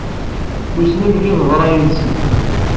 Wissen amek i teḍra yid-sen?